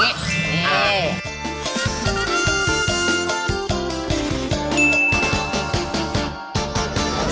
นี่